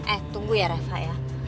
eh tunggu ya rasa ya